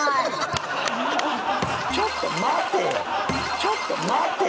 ・ちょっと待てぃ！！